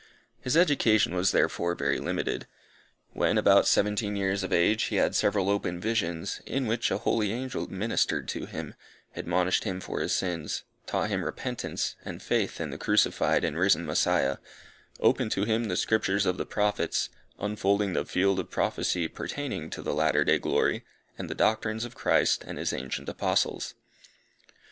His education was therefore very limited. When about seventeen years of age, he had several open visions, in which a holy angel ministered to him, admonished him for his sins, taught him repentance, and faith in the crucified and risen Messiah, opened to him the Scriptures of the Prophets, unfolding the field of prophecy pertaining to the latter day glory, and the doctrines of Christ and his ancient Apostles.